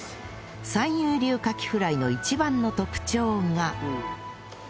三友流カキフライの一番の特徴が